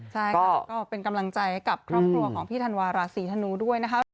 ใช่ค่ะก็เป็นกำลังใจให้กับครอบครัวของพี่ธันวาราศีธนูด้วยนะคะ